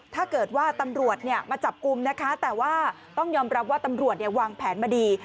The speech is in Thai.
ถ้าเกิดว่าตำรวจมาจับกลุ่มนะคะแต่ว่าต้องยอมรับว่าตำรวจวางแผนมาดี